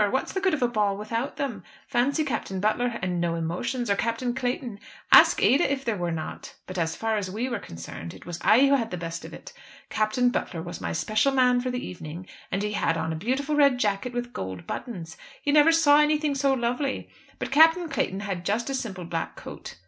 What's the good of a ball without them? Fancy Captain Butler and no emotions, or Captain Clayton! Ask Ada if there were not. But as far as we were concerned, it was I who had the best of it. Captain Butler was my special man for the evening, and he had on a beautiful red jacket with gold buttons. You never saw anything so lovely. But Captain Clayton had just a simple black coat.